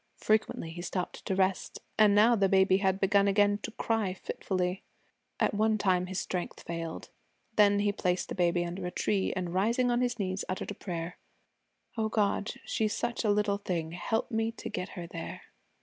Frequently he stopped to rest, and now the baby had begun again to cry fitfully. At one time his strength failed. Then he placed the baby under a tree and rising on his knees uttered a prayer: 'O God, she's such a little thing, help me to get her there.'